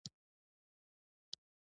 افغانستان کې ګاز د خلکو د خوښې وړ ځای دی.